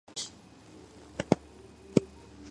დაგვრჩა ერთი ასეული.